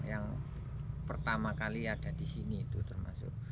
yang pertama kali ada di sini itu termasuk